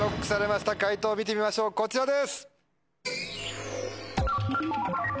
解答見てみましょうこちらです。